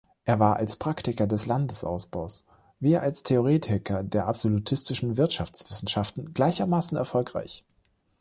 Er war als Praktiker des Landesausbaus wie als Theoretiker der absolutistischen Wirtschaftswissenschaften gleichermaßen erfolgreich.